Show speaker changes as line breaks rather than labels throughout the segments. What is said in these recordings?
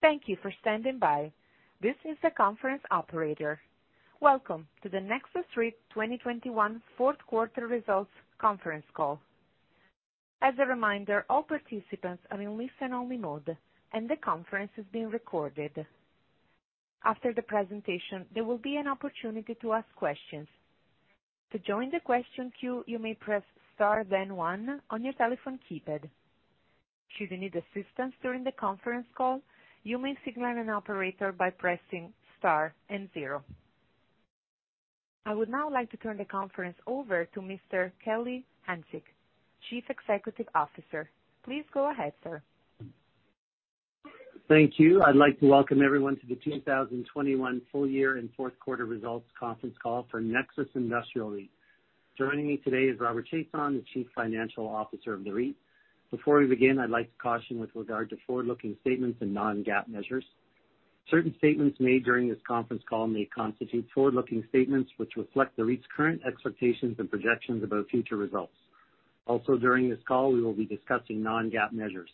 Thank you for standing by. This is the conference operator. Welcome to the Nexus REIT 2021 fourth quarter results conference call. As a reminder, all participants are in listen-only mode, and the conference is being recorded. After the presentation, there will be an opportunity to ask questions. To join the question queue, you may press star then one on your telephone keypad. Should you need assistance during the conference call, you may signal an operator by pressing star and zero. I would now like to turn the conference over to Mr. Kelly Hanczyk, Chief Executive Officer. Please go ahead, sir.
Thank you. I'd like to welcome everyone to the 2021 full year and fourth quarter results conference call for Nexus Industrial REIT. Joining me today is Robert Chiasson, the Chief Financial Officer of the REIT. Before we begin, I'd like to caution with regard to forward-looking statements and non-GAAP measures. Certain statements made during this conference call may constitute forward-looking statements, which reflect the REIT's current expectations and projections about future results. Also, during this call, we will be discussing non-GAAP measures.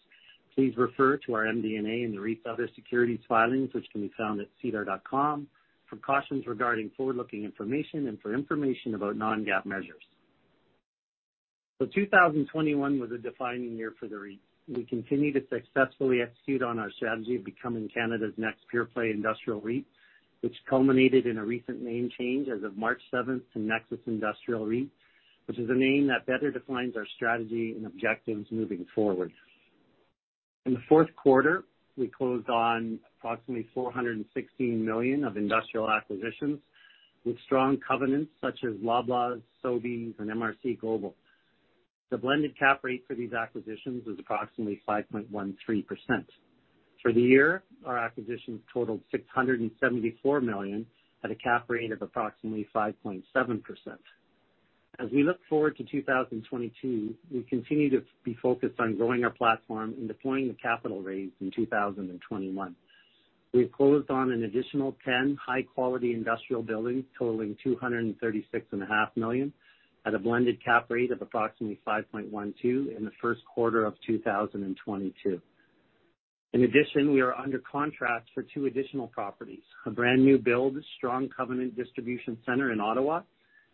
Please refer to our MD&A and the REIT's other securities filings, which can be found at sedar.com for cautions regarding forward-looking information and for information about non-GAAP measures. 2021 was a defining year for the REIT. We continue to successfully execute on our strategy of becoming Canada's next pure-play industrial REIT, which culminated in a recent name change as of March seventh to Nexus Industrial REIT, which is a name that better defines our strategy and objectives moving forward. In the fourth quarter, we closed on approximately 416 million of industrial acquisitions with strong covenants such as Loblaw, Sobeys, and MRC Global. The blended cap rate for these acquisitions was approximately 5.13%. For the year, our acquisitions totaled 674 million at a cap rate of approximately 5.7%. As we look forward to 2022, we continue to be focused on growing our platform and deploying the capital raised in 2021. We've closed on an additional 10 high-quality industrial buildings totaling 236 and a half million at a blended cap rate of approximately 5.12% in the first quarter of 2022. In addition, we are under contract for 2 additional properties, a brand-new build-to-suit strong covenant distribution center in Ottawa,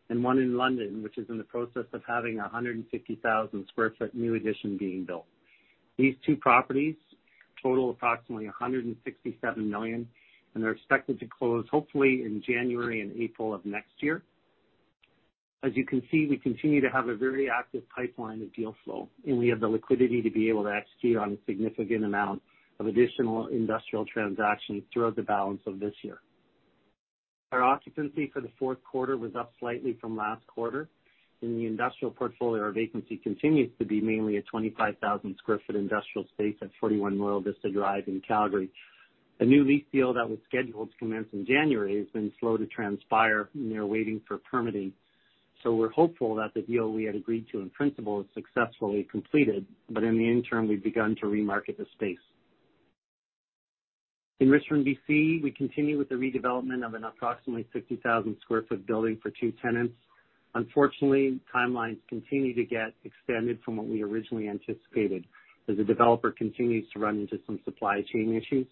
and one in London, which is in the process of having a 150,000 sq ft new addition being built. These 2 properties total approximately 167 million, and they're expected to close hopefully in January and April of next year. As you can see, we continue to have a very active pipeline of deal flow, and we have the liquidity to be able to execute on a significant amount of additional industrial transactions throughout the balance of this year. Our occupancy for the fourth quarter was up slightly from last quarter. In the industrial portfolio, our vacancy continues to be mainly a 25,000 sq ft industrial space at 41 Royal Vista Drive in Calgary. A new lease deal that was scheduled to commence in January has been slow to transpire, and they're waiting for permitting. We're hopeful that the deal we had agreed to in principle is successfully completed, but in the interim, we've begun to re-market the space. In Richmond, B.C., we continue with the redevelopment of an approximately 60,000 sq ft building for two tenants. Unfortunately, timelines continue to get extended from what we originally anticipated as the developer continues to run into some supply chain issues.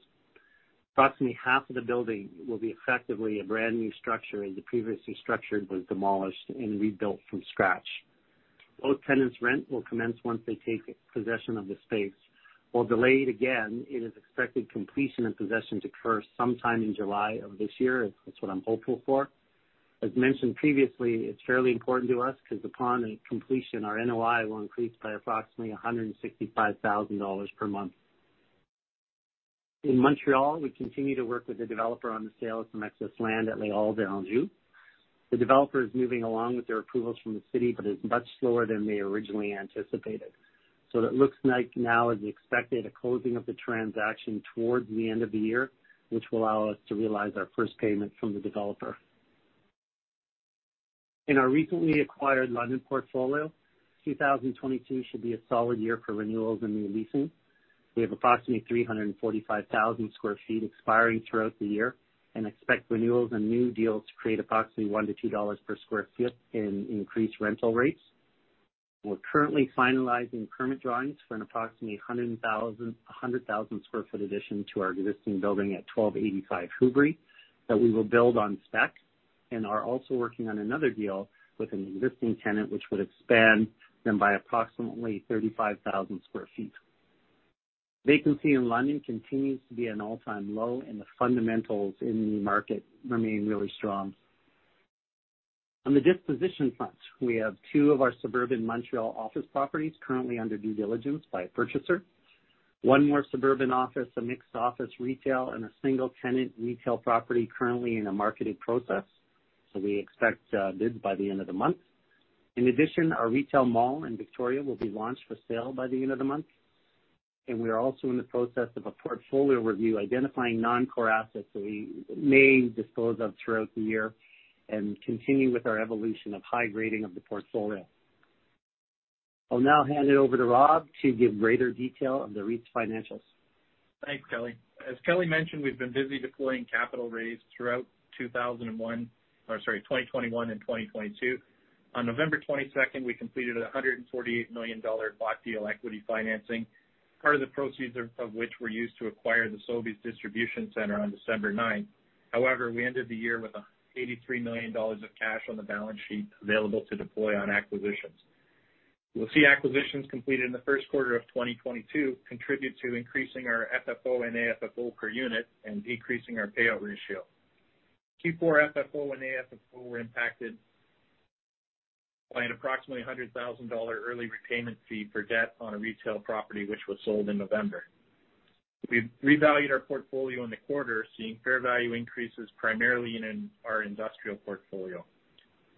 Approximately half of the building will be effectively a brand-new structure as the previously structured was demolished and rebuilt from scratch. Both tenants' rent will commence once they take possession of the space. While delayed again, the completion and possession are expected to occur sometime in July of this year. That's what I'm hopeful for. As mentioned previously, it's fairly important to us because upon completion, our NOI will increase by approximately 165,000 dollars per month. In Montreal, we continue to work with the developer on the sale of some excess land at L'Île Bizard. The developer is moving along with their approvals from the city, but is much slower than they originally anticipated. It looks like now, as expected, a closing of the transaction towards the end of the year, which will allow us to realize our first payment from the developer. In our recently acquired London portfolio, 2022 should be a solid year for renewals and re-leasing. We have approximately 345,000 sq ft expiring throughout the year and expect renewals and new deals to create approximately 1-2 dollars per sq ft in increased rental rates. We're currently finalizing permit drawings for an approximately 100,000 sq ft addition to our existing building at 1285 Hubrey that we will build on spec and are also working on another deal with an existing tenant, which would expand them by approximately 35,000 sq ft. Vacancy in London continues to be an all-time low, and the fundamentals in the market remain really strong. On the disposition front, we have 2 of our suburban Montreal office properties currently under due diligence by a purchaser. One more suburban office, a mixed office retail, and a single tenant retail property currently in a marketing process, so we expect bids by the end of the month. In addition, our retail mall in Victoria will be launched for sale by the end of the month, and we are also in the process of a portfolio review identifying non-core assets that we may dispose of throughout the year and continue with our evolution of high grading of the portfolio. I'll now hand it over to Rob to give greater detail on the REIT's financials.
Thanks, Kelly. As Kelly mentioned, we've been busy deploying capital raised throughout 2021 and 2022. On November 22, we completed a 148 million dollar block deal equity financing, part of the proceeds of which were used to acquire the Sobeys Distribution Centre on December 9. However, we ended the year with 83 million dollars of cash on the balance sheet available to deploy on acquisitions. We'll see acquisitions completed in the first quarter of 2022 contribute to increasing our FFO and AFFO per unit and decreasing our payout ratio. Q4 FFO and AFFO were impacted by an approximately 100,000 dollar early repayment fee for debt on a retail property which was sold in November. We revalued our portfolio in the quarter, seeing fair value increases primarily in our industrial portfolio.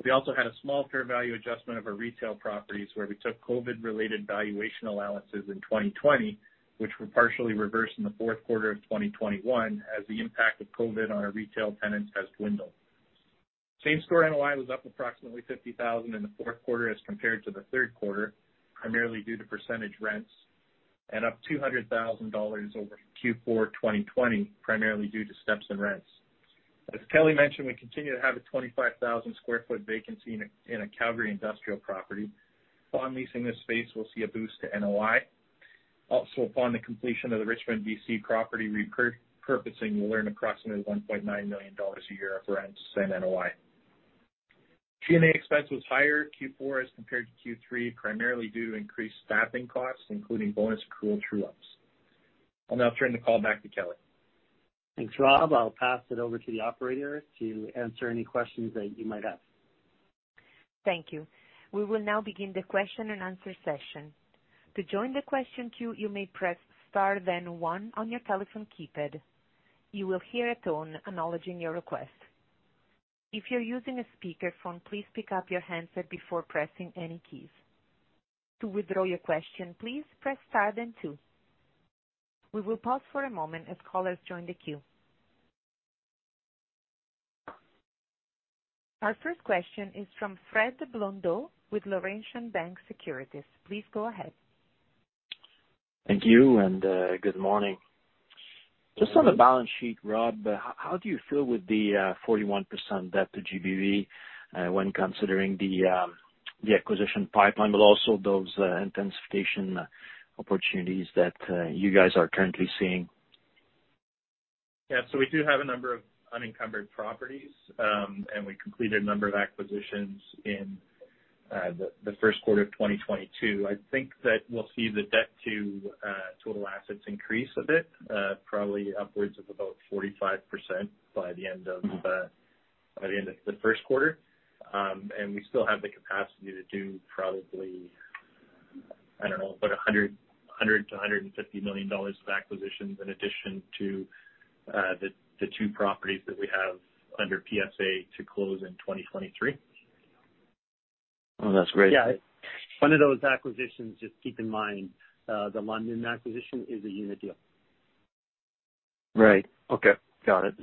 We also had a small fair value adjustment of our retail properties where we took COVID-related valuation allowances in 2020, which were partially reversed in the fourth quarter of 2021, as the impact of COVID on our retail tenants has dwindled. Same store NOI was up approximately 50,000 in the fourth quarter as compared to the third quarter, primarily due to percentage rents, and up 200,000 dollars over Q4 2020, primarily due to steps in rents. As Kelly mentioned, we continue to have a 25,000 sq ft vacancy in a Calgary industrial property. Upon leasing this space, we'll see a boost to NOI. Also, upon the completion of the Richmond, B.C. property repurposing, we'll earn approximately 1.9 million dollars a year of rents and NOI. G&A expense was higher Q4 as compared to Q3, primarily due to increased staffing costs, including bonus accrual true-ups. I'll now turn the call back to Kelly.
Thanks, Rob. I'll pass it over to the operator to answer any questions that you might have.
Thank you. We will now begin the question and answer session. To join the question queue, you may press star then one on your telephone keypad. You will hear a tone acknowledging your request. If you're using a speakerphone, please pick up your handset before pressing any keys. To withdraw your question, please press star then two. We will pause for a moment as callers join the queue. Our first question is from Frederic Blondeau with Laurentian Bank Securities. Please go ahead.
Thank you, good morning. Just on the balance sheet, Rob, how do you feel with the 41% debt to GBV, when considering the acquisition pipeline, but also those intensification opportunities that you guys are currently seeing?
Yeah. We do have a number of unencumbered properties, and we completed a number of acquisitions in the first quarter of 2022. I think that we'll see the debt-to-total-assets increase a bit, probably upwards of about 45% by the end of the first quarter. We still have the capacity to do probably, I don't know, about a hundred to 150 million dollars of acquisitions in addition to the two properties that we have under PSA to close in 2023.
Oh, that's great.
Yeah. One of those acquisitions, just keep in mind, the London acquisition is a unit deal.
Right. Okay. Got it.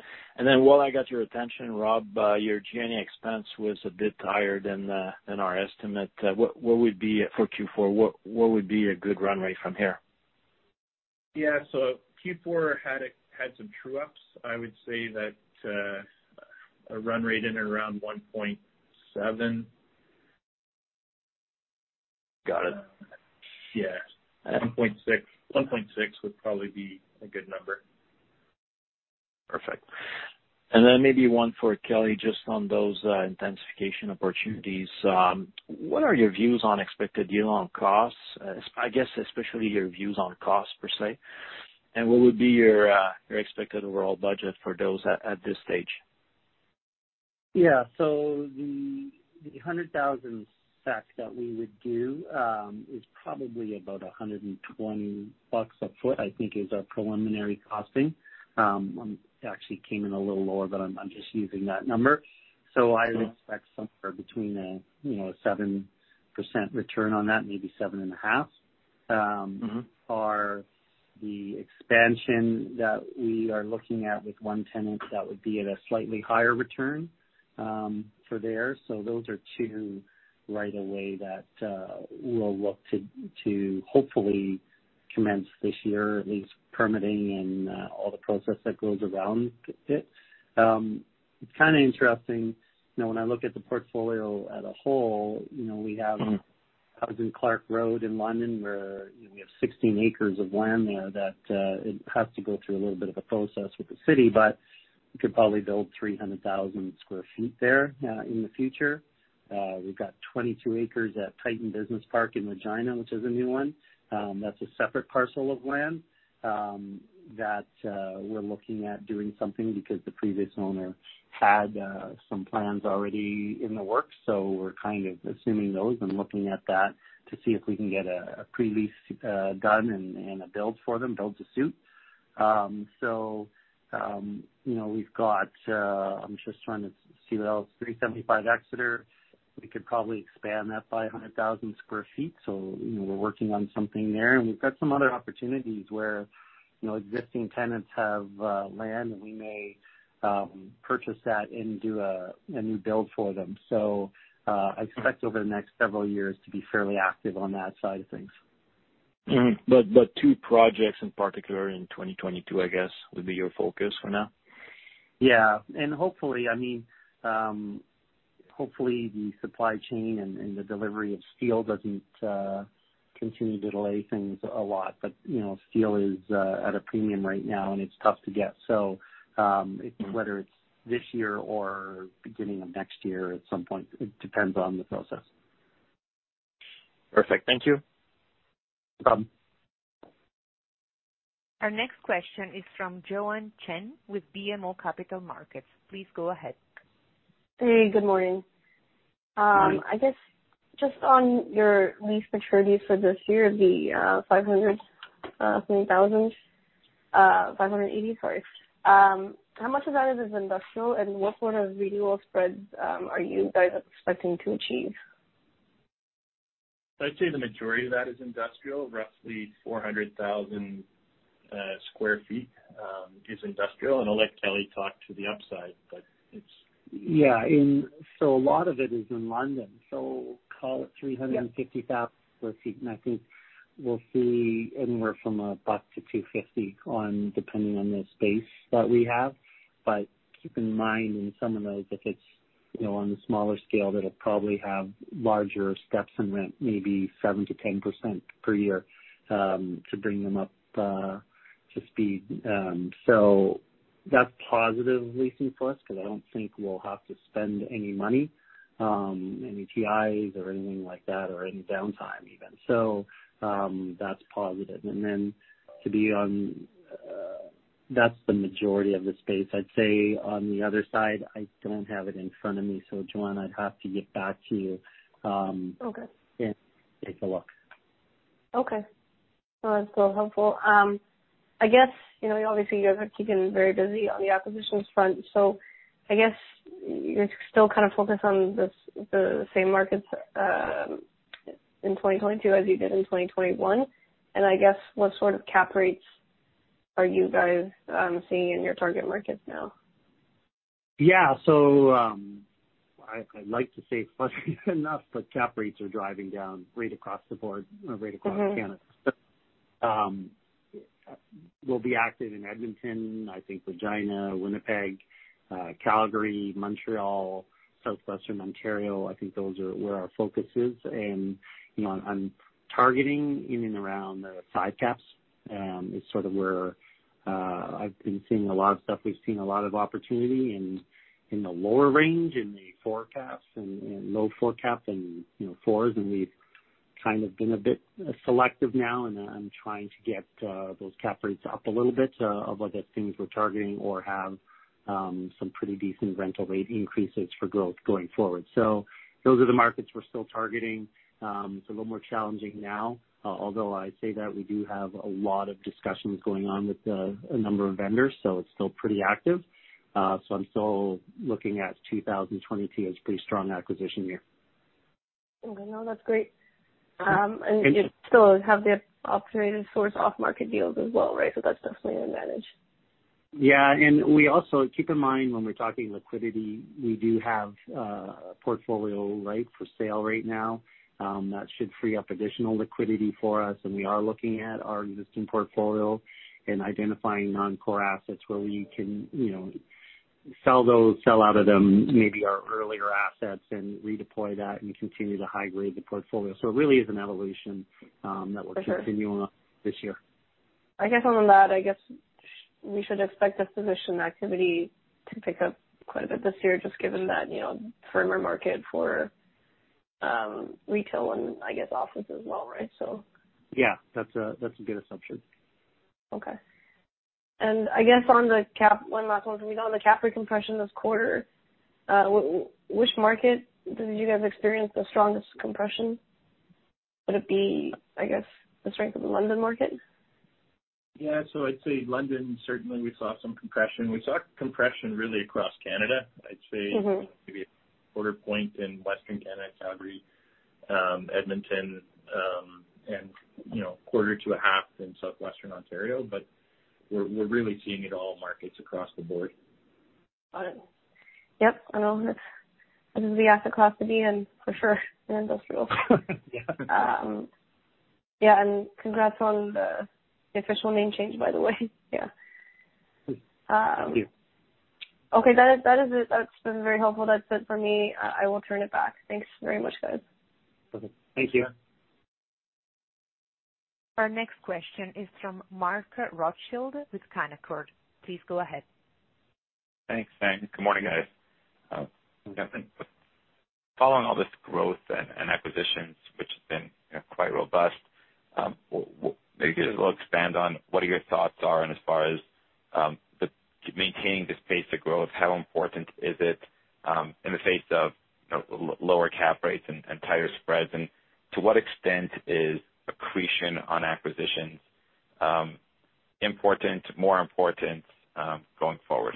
While I got your attention, Rob, your G&A expense was a bit higher than our estimate. What would be a good run rate for Q4 from here?
Q4 had some true-ups. I would say that a run rate in and around 1.7.
Got it.
Yeah. 1.6. 1.6 would probably be a good number.
Perfect. Maybe one for Kelly, just on those intensification opportunities, what are your views on expected yield on costs, especially your views on costs per se? What would be your expected overall budget for those at this stage?
Yeah. The 100,000 stacks that we would do is probably about 120 bucks a foot, I think is our preliminary costing. Actually came in a little lower, but I'm just using that number. I would expect somewhere between, you know, 7% return on that, maybe 7.5%.
Mm-hmm.
The expansion that we are looking at with one tenant, that would be at a slightly higher return for there. Those are two right away that we'll look to to hopefully commence this year, at least permitting and all the process that goes around it. It's kinda interesting, you know, when I look at the portfolio as a whole, you know, we have Huron Clark Road in London where, you know, we have 16 acres of land there that it has to go through a little bit of a process with the city, but we could probably build 300,000 sq ft there in the future. We've got 22 acres at Titan Business Park in Regina, which is a new one. That's a separate parcel of land that we're looking at doing something because the previous owner had some plans already in the works. We're kind of assuming those and looking at that to see if we can get a pre-lease done and a build for them, build-to-suit. You know, we've got, I'm just trying to see what else. 375 Exeter, we could probably expand that by 100,000 sq ft. You know, we're working on something there. We've got some other opportunities where, you know, existing tenants have land and we may purchase that and do a new build for them. I expect over the next several years to be fairly active on that side of things.
Two projects in particular in 2022, I guess, would be your focus for now?
Yeah. Hopefully, I mean, hopefully the supply chain and the delivery of steel doesn't continue to delay things a lot. You know, steel is at a premium right now, and it's tough to get. Whether it's this year or beginning of next year, at some point, it depends on the process.
Perfect. Thank you.
No problem.
Our next question is from Joanne Chen with BMO Capital Markets. Please go ahead.
Hey, good morning.
Good morning.
I guess just on your lease maturity for this year, the 3,580. How much of that is industrial and what sort of renewal spreads are you guys expecting to achieve?
I'd say the majority of that is industrial. Roughly 400,000 sq ft is industrial. I'll let Kelly talk to the upside, but it's.
Yeah. A lot of it is in London, so call it 350,000 sq ft. I think we'll see anywhere from 1-2.50 depending on the space that we have. Keep in mind, in some of those, if it's, you know, on the smaller scale, that'll probably have larger steps in rent, maybe 7%-10% per year, to bring them up to speed. That's positively seen for us because I don't think we'll have to spend any money, any TIs or anything like that or any downtime even. That's positive. Then to be on. That's the majority of the space. I'd say on the other side, I don't have it in front of me, so Joanne Chen, I'd have to get back to you.
Okay.
Take a look.
Okay. No, that's still helpful. I guess, you know, obviously you guys are keeping very busy on the acquisitions front, so I guess you're still kind of focused on the same markets in 2022 as you did in 2021. I guess what sort of cap rates are you guys seeing in your target markets now?
I'd like to say fluffy enough, but cap rates are driving down right across the board or right across Canada.
Mm-hmm.
We'll be active in Edmonton, I think Regina, Winnipeg, Calgary, Montreal, Southwestern Ontario. I think those are where our focus is. You know, I'm targeting in and around the 5 caps is sort of where I've been seeing a lot of stuff. We've seen a lot of opportunity in the lower range, in the 4 caps and low 4 cap and, you know, 4s. We've kind of been a bit selective now, and I'm trying to get those cap rates up a little bit of like the things we're targeting or have some pretty decent rental rate increases for growth going forward. Those are the markets we're still targeting. It's a little more challenging now, although I say that we do have a lot of discussions going on with a number of vendors, so it's still pretty active. I'm still looking at 2022 as a pretty strong acquisition year.
Okay. No, that's great. You still have the opportunity to source off market deals as well, right? That's definitely an advantage.
Yeah. We also keep in mind when we're talking liquidity, we do have a portfolio for sale right now that should free up additional liquidity for us. We are looking at our existing portfolio and identifying non-core assets where we can, you know, sell those, sell out of them, maybe our earlier assets, and redeploy that and continue to high-grade the portfolio. It really is an evolution that we're continuing this year.
I guess on that, we should expect acquisition activity to pick up quite a bit this year, just given that, you know, firmer market for retail and I guess office as well, right? So.
Yeah, that's a good assumption.
Okay. I guess one last one for me. On the cap rate compression this quarter, which market did you guys experience the strongest compression? Would it be, I guess, the strength of the London market?
Yeah. I'd say London, certainly we saw some compression. We saw compression really across Canada. I'd say.
Mm-hmm.
Maybe a quarter point in Western Canada, Calgary, Edmonton, and you know, quarter to a half in Southwestern Ontario. We're really seeing it in all markets across the board.
Got it. Yep. I know this is the asset class to be in for sure in industrial.
Yeah.
Yeah, congrats on the official name change, by the way. Yeah.
Thank you.
Okay. That is it. That's been very helpful. That's it for me. I will turn it back. Thanks very much, guys.
Okay. Thank you.
Our next question is from Mark Rothschild with Canaccord. Please go ahead.
Thanks. Good morning, guys. Following all this growth and acquisitions which has been, you know, quite robust, will you just a little expand on what are your thoughts are and as far as, the maintaining this pace of growth, how important is it, in the face of, you know, lower cap rates and tighter spreads? To what extent is accretion on acquisitions, important, more important, going forward?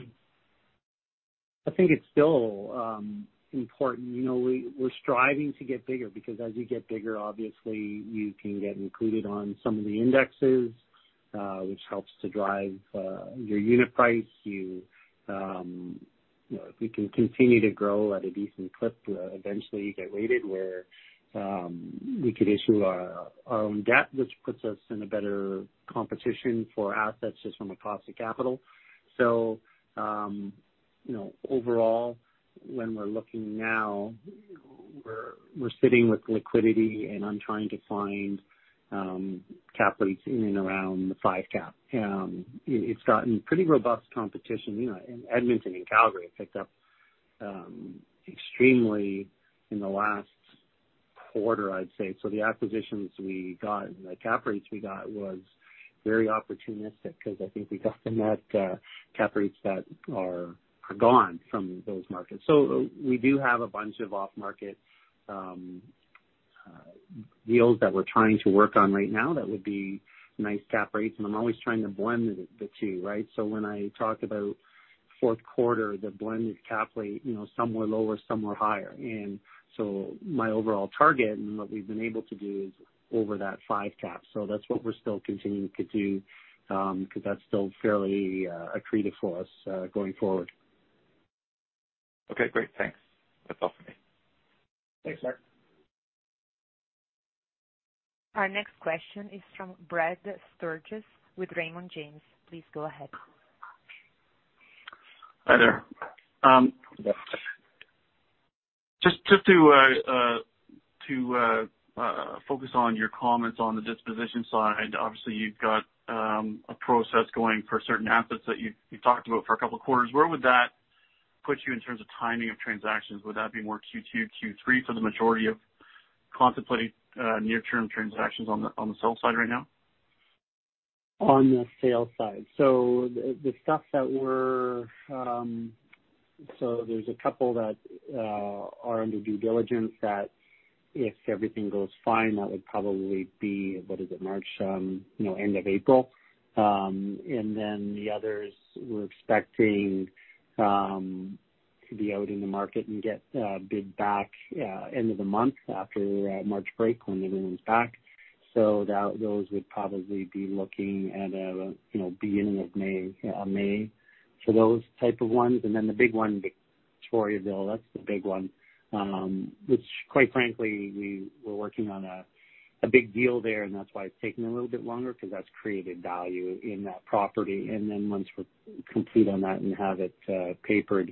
I think it's still important. You know, we're striving to get bigger because as you get bigger, obviously you can get included on some of the indexes, which helps to drive your unit price. You know, if we can continue to grow at a decent clip, eventually get rated where we could issue our own debt, which puts us in a better competition for assets just from a cost of capital. You know, overall, when we're looking now, we're sitting with liquidity, and I'm trying to find cap rates in and around the 5 cap. It's gotten pretty robust competition, you know, in Edmonton and Calgary have picked up extremely in the last quarter, I'd say. The acquisitions we got and the cap rates we got was very opportunistic because I think we got them at cap rates that are gone from those markets. We do have a bunch of off-market deals that we're trying to work on right now that would be nice cap rates. I'm always trying to blend the two, right? When I talk about fourth quarter, the blended cap rate, you know, some were lower, some were higher. My overall target and what we've been able to do is over that 5 cap. That's what we're still continuing to do because that's still fairly accretive for us going forward.
Okay, great. Thanks. That's all for me.
Thanks, Mark.
Our next question is from Brad Sturges with Raymond James. Please go ahead.
Hi there. Just to focus on your comments on the disposition side, obviously you've got a process going for certain assets that you've talked about for a couple of quarters. Where would that put you in terms of timing of transactions? Would that be more Q2, Q3 for the majority of contemplating near-term transactions on the sale side right now?
On the sale side. The stuff that we're. There's a couple that are under due diligence that if everything goes fine, that would probably be, what is it? March, you know, end of April. Then the others, we're expecting to be out in the market and get a bid back, end of the month after March break when everyone's back. Those would probably be looking at a, you know, beginning of May for those type of ones. Then the big one, Victoriaville, that's the big one, which quite frankly, we're working on a big deal there and that's why it's taking a little bit longer because that's created value in that property. Then once we're complete on that and have it papered,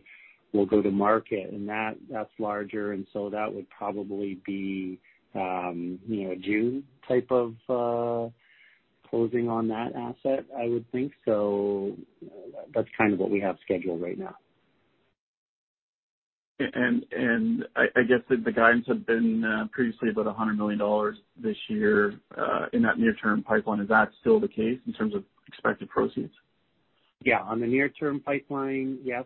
we'll go to market. That's larger and that would probably be, you know, June type of closing on that asset, I would think. That's kind of what we have scheduled right now.
I guess the guidance had been previously about 100 million dollars this year in that near-term pipeline. Is that still the case in terms of expected proceeds?
Yeah. On the near-term pipeline, yes.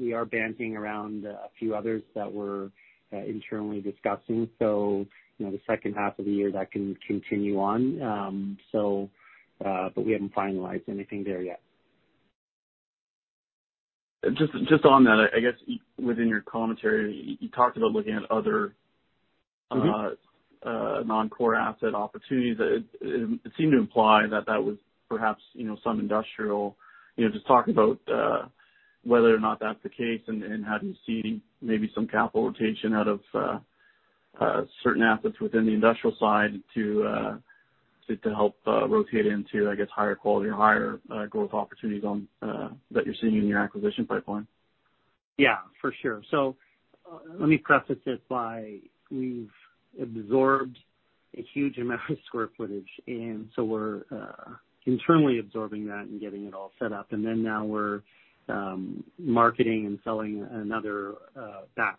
We are bandying around a few others that we're internally discussing. You know, the second half of the year that can continue on. We haven't finalized anything there yet.
Just on that, I guess within your commentary, you talked about looking at other.
Mm-hmm.
Non-core asset opportunities. It seemed to imply that was perhaps, you know, some industrial. You know, just talk about whether or not that's the case and how do you see maybe some capital rotation out of certain assets within the industrial side to help rotate into, I guess, higher quality or higher growth opportunities that you're seeing in your acquisition pipeline.
Yeah, for sure. Let me preface this by we've absorbed a huge amount of square footage, and so we're internally absorbing that and getting it all set up. Now we're marketing and selling another batch.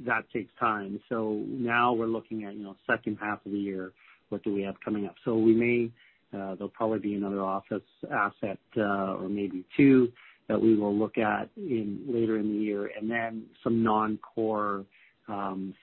That takes time. Now we're looking at, you know, second half of the year, what do we have coming up? We may there'll probably be another office asset or maybe two that we will look at later in the year. Some non-core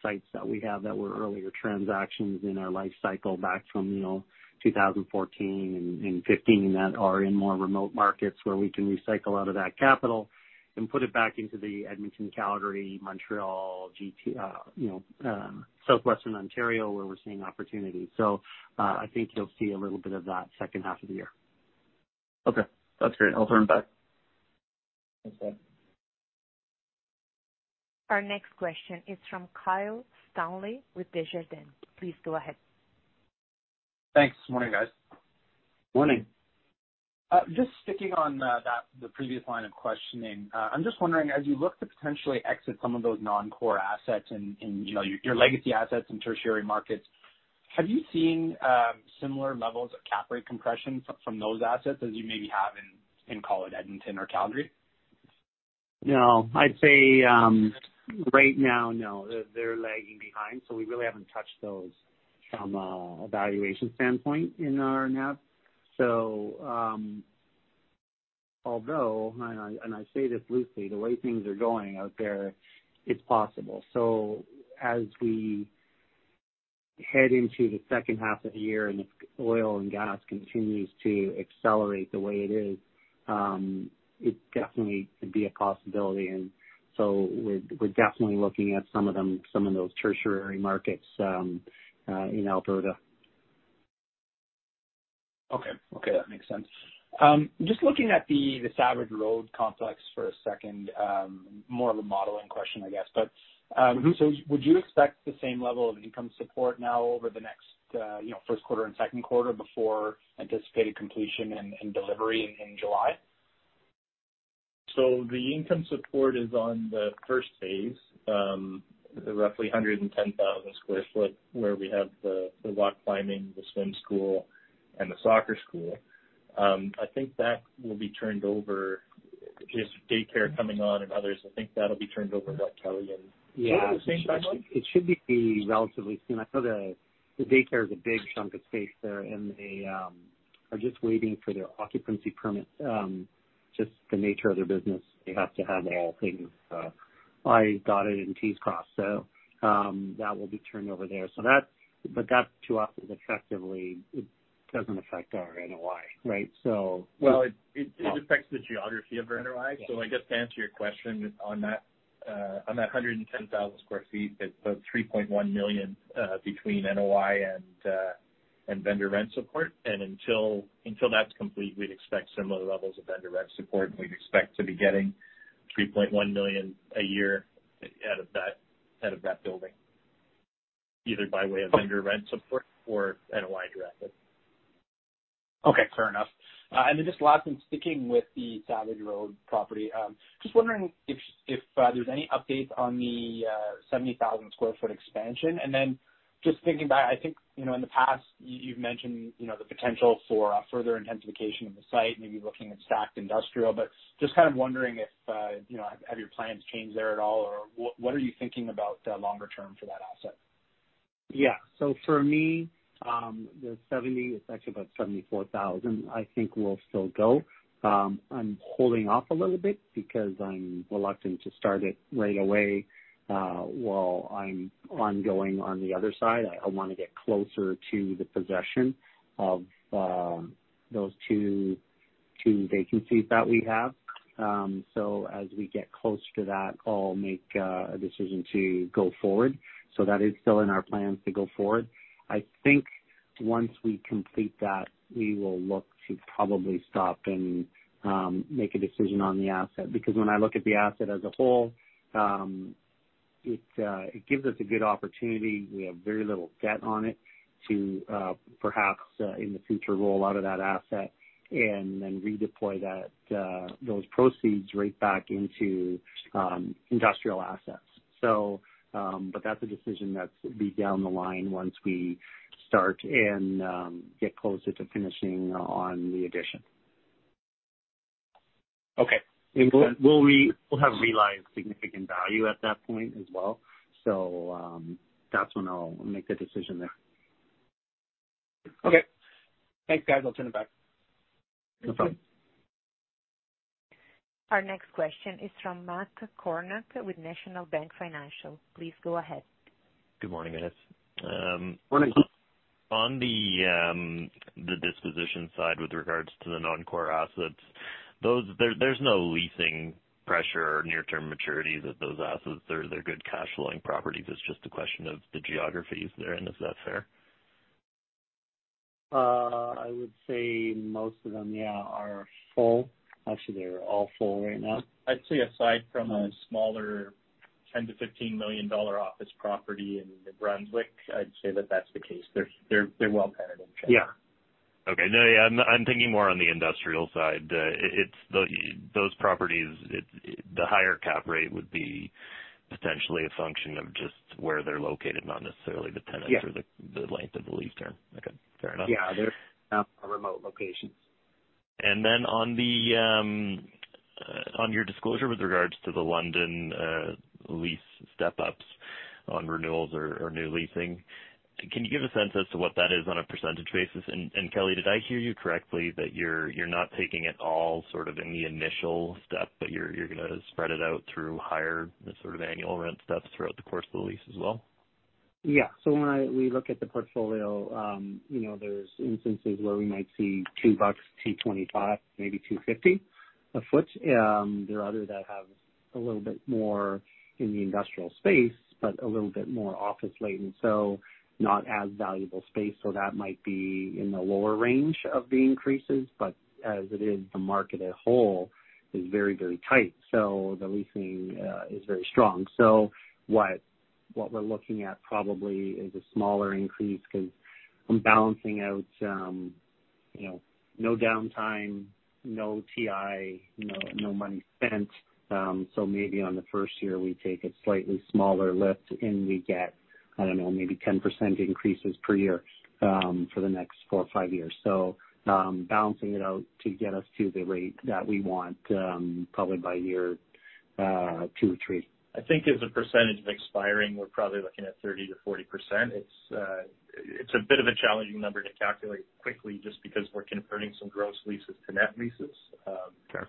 sites that we have that were earlier transactions in our life cycle back from, you know, 2014 and 2015 that are in more remote markets where we can recycle out of that capital and put it back into the Edmonton, Calgary, Montreal, GTA, you know, Southwestern Ontario, where we're seeing opportunities. I think you'll see a little bit of that second half of the year.
Okay, that's great. I'll turn it back.
Thanks, Brad.
Our next question is from Kyle Stanley with Desjardins. Please go ahead.
Thanks. Morning, guys.
Morning.
Just sticking on that, the previous line of questioning. I'm just wondering, as you look to potentially exit some of those non-core assets and, you know, your legacy assets in tertiary markets, have you seen similar levels of cap rate compression from those assets as you maybe have in call it Edmonton or Calgary?
No. I'd say right now, no. They're lagging behind, so we really haven't touched those from a valuation standpoint in our net. Although, and I say this loosely, the way things are going out there, it's possible. As we head into the second half of the year and if oil and gas continues to accelerate the way it is, it definitely could be a possibility. We're definitely looking at some of them, some of those tertiary markets in Alberta.
Okay. Okay, that makes sense. Just looking at the Savage Road complex for a second, more of a modeling question, I guess. Would you expect the same level of income support now over the next, you know, first quarter and second quarter before anticipated completion and delivery in July?
The income support is on the first phase, the roughly 110,000 sq ft, where we have the rock climbing, the swim school, and the soccer school. I think that will be turned over. Just daycare coming on and others, I think that'll be turned over about, Kelly, in-
Yeah.
the same timeline.
It should be relatively soon. I know the daycare is a big chunk of space there, and they are just waiting for their occupancy permit. Just the nature of their business, they have to have all things, i's dotted and t's crossed. That will be turned over there. That to us is effectively, it doesn't affect our NOI, right?
Well, it affects the geography of our NOI.
Yeah.
I guess to answer your question on that, on that 110,000 sq ft, it's about 3.1 million between NOI and vendor rent support. Until that's complete, we'd expect similar levels of vendor rent support. We'd expect to be getting 3.1 million a year out of that building, either by way of vendor rent support or NOI directly.
Okay. Clear enough. Just last, in sticking with the Savage Road property, just wondering if there's any update on the 70,000 sq ft expansion. Just thinking back, I think, you know, in the past you've mentioned, you know, the potential for further intensification of the site, maybe looking at stacked industrial. Just kind of wondering if, you know, have your plans changed there at all, or what are you thinking about longer term for that asset?
Yeah. For me, the 70, it's actually about 74,000, I think will still go. I'm holding off a little bit because I'm reluctant to start it right away while I'm ongoing on the other side. I wanna get closer to the possession of those two vacancies that we have. As we get close to that, I'll make a decision to go forward. That is still in our plans to go forward. I think once we complete that, we will look to probably stop and make a decision on the asset. Because when I look at the asset as a whole, it gives us a good opportunity. We have very little debt on it to perhaps in the future roll out of that asset and then redeploy those proceeds right back into industrial assets. That's a decision that's to be down the line once we start and get closer to finishing on the addition.
Okay.
We'll have realized significant value at that point as well. That's when I'll make the decision there.
Okay. Thanks, guys. I'll turn it back.
No problem.
Thanks.
Our next question is from Matt Kornack with National Bank Financial. Please go ahead.
Good morning, guys.
Morning.
On the disposition side with regards to the non-core assets, those, there's no leasing pressure or near-term maturities at those assets. They're good cash flowing properties. It's just a question of the geographies they're in. Is that fair?
I would say most of them, yeah, are full. Actually, they're all full right now.
I'd say aside from a smaller 10 million-15 million dollar office property in New Brunswick, I'd say that that's the case. They're well tenanted.
Yeah. Okay. No, yeah, I'm thinking more on the industrial side. It's those properties, the higher cap rate would be potentially a function of just where they're located, not necessarily the tenants.
Yeah.
the length of the lease term. Okay. Fair enough.
Yeah. They're remote locations.
On your disclosure with regards to the London lease step-ups on renewals or new leasing, can you give a sense as to what that is on a percentage basis? Kelly, did I hear you correctly that you're not taking it all sort of in the initial step, but you're gonna spread it out through higher sort of annual rent steps throughout the course of the lease as well?
Yeah. When we look at the portfolio, you know, there are instances where we might see $2, $2.25, maybe $2.50 a sq ft. There are others that have a little bit more in the industrial space, but a little bit more office-laden, so not as valuable space. That might be in the lower range of the increases. As it is, the market as a whole is very, very tight, so the leasing is very strong. What we're looking at probably is a smaller increase because I'm balancing out, you know, no downtime, no TI, no money spent. Maybe on the first year, we take a slightly smaller lift, and we get, I don't know, maybe 10% increases per year for the next 4 or 5 years. Balancing it out to get us to the rate that we want, probably by year two or three.
I think as a percentage of expiring, we're probably looking at 30%-40%. It's a bit of a challenging number to calculate quickly just because we're converting some gross leases to net leases.
Fair.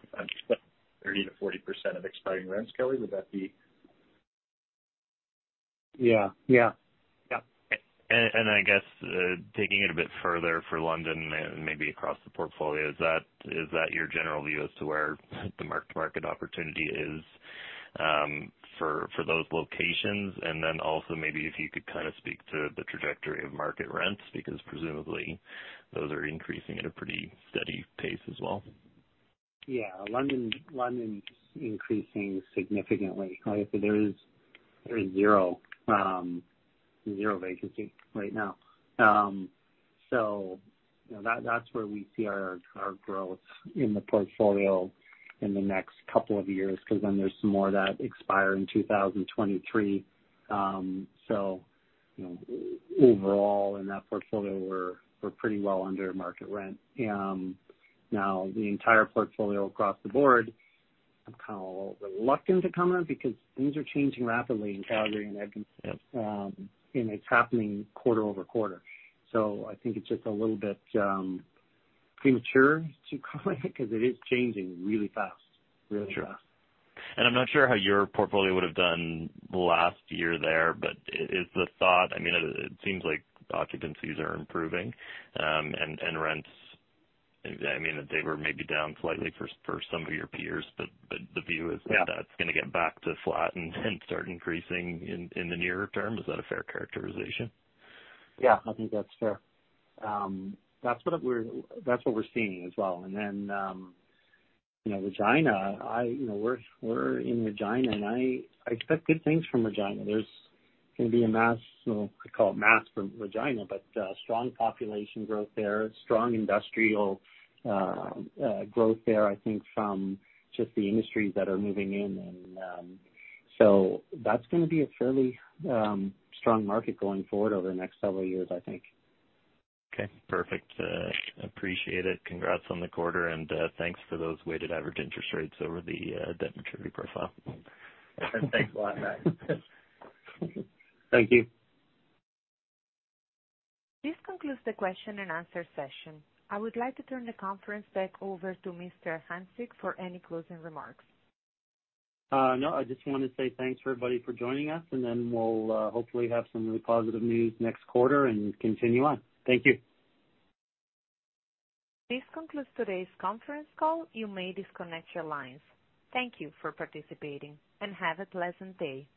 30%-40% of expiring rents. Kelly, would that be?
Yeah. Yeah.
Yeah.
I guess taking it a bit further for London and maybe across the portfolio, is that your general view as to where the mark-to-market opportunity is? For those locations, and then also maybe if you could kind of speak to the trajectory of market rents, because presumably those are increasing at a pretty steady pace as well.
Yeah, London's increasing significantly. Like there is 0 vacancy right now. So you know, that's where we see our growth in the portfolio in the next couple of years, 'cause then there's some more of that expire in 2023. So, you know, overall in that portfolio we're pretty well under market rent. Now the entire portfolio across the board, I'm kind of a little reluctant to comment because things are changing rapidly in Calgary and Edmonton.
Yep.
It's happening quarter-over-quarter. I think it's just a little bit premature to comment because it is changing really fast.
Sure. I'm not sure how your portfolio would've done last year there, but is the thought. I mean, it seems like occupancies are improving, and rents. I mean, they were maybe down slightly for some of your peers, but the view is
Yeah.
That's gonna get back to flat and start increasing in the near term. Is that a fair characterization?
Yeah, I think that's fair. That's what we're seeing as well. You know, Regina. You know, we're in Regina and I expect good things from Regina. There's gonna be a mass, you know, I call it mass from Regina, but strong population growth there, strong industrial growth there, I think from just the industries that are moving in and so that's gonna be a fairly strong market going forward over the next several years, I think.
Okay, perfect. Appreciate it. Congrats on the quarter and thanks for those weighted average interest rates over the debt maturity profile.
Thanks a lot, Matt. Thank you.
This concludes the question and answer session. I would like to turn the conference back over to Mr. Hanczyk for any closing remarks.
No, I just wanna say thanks for everybody for joining us and then we'll hopefully have some really positive news next quarter and continue on. Thank you.
This concludes today's conference call. You may disconnect your lines. Thank you for participating, and have a pleasant day.